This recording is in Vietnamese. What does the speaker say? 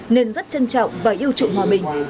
nên rất trân trọng và yêu trụng hòa bình